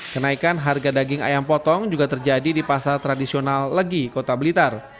kenaikan harga daging ayam potong juga terjadi di pasar tradisional legi kota blitar